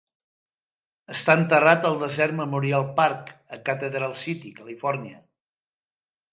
Està enterrat al Desert Memorial Park, a Cathedral City, Califòrnia.